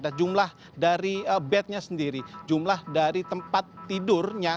dan jumlah dari bednya sendiri pun kemudian ditambah dengan adanya rumah sakit darurat